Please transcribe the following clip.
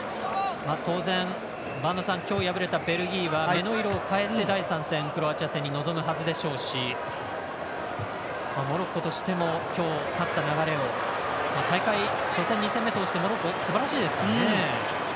当然、今日敗れたベルギーは目の色を変えて第３戦、クロアチア戦に臨むはずでしょうしモロッコとしても今日、勝った流れを大会、初戦、２戦目通してモロッコ、すばらしいですからね。